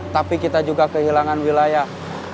tapi kita juga kehilangan wilayah